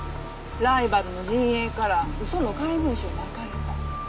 ライバルの陣営から嘘の怪文書をまかれた。